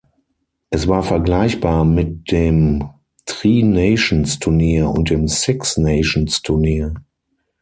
Es war vergleichbar mit dem Tri Nations-Turnier und dem Six Nations-Turnier.